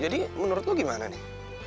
jadi menurut lo gimana nih